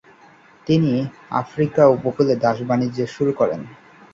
তিনি আফ্রিকা উপকূলে দাস বাণিজ্য শুরু করেন।